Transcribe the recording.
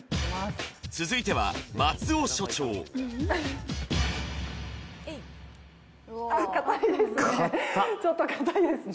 続いては松尾所長かたいですね